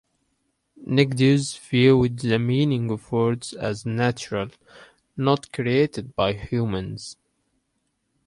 Nigidius viewed the meaning of words as natural, not created by humans.